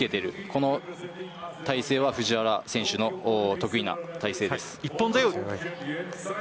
この体勢は藤原選手の得意な体勢です。